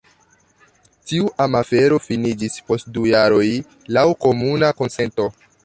Tiu amafero finiĝis post du jaroj laŭ komuna konsento.